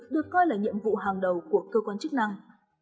được coi là nhiệm vụ hàng đầu của cơ quan chức năng